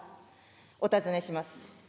お尋ねします。